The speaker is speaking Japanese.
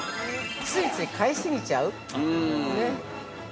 ついつい買い過ぎちゃう。